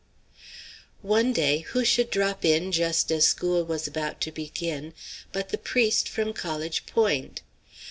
One day who should drop in just as school was about to begin but the priest from College Point!